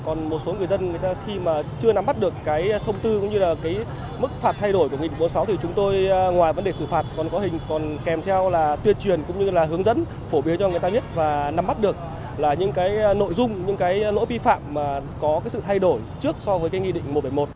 còn một số người dân người ta khi mà chưa nắm bắt được cái thông tư cũng như là cái mức phạt thay đổi của nghị định bốn mươi sáu thì chúng tôi ngoài vấn đề xử phạt còn có hình còn kèm theo là tuyên truyền cũng như là hướng dẫn phổ biến cho người ta biết và nắm bắt được là những cái nội dung những cái lỗi vi phạm mà có cái sự thay đổi trước so với cái nghị định một trăm bảy mươi một